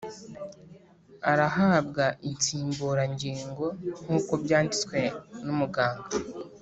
Arahabwa insimburangingo nk’ uko byanditswe n’ umuganga